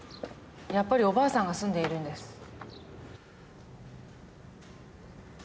やっぱりおばあさんが住んでいるんです。